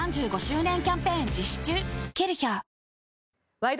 「ワイド！